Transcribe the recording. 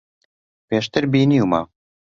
پێشتر بینیومە.